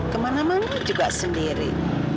kemana mana juga sendiri